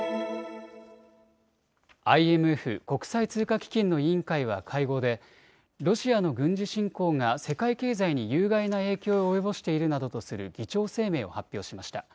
ＩＭＦ・国際通貨基金の委員会は会合でロシアの軍事侵攻が世界経済に有害な影響を及ぼしているなどとする議長声明を発表しました。